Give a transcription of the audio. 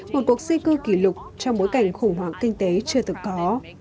một cuộc di cư kỷ lục trong bối cảnh khủng hoảng kinh tế chưa từng có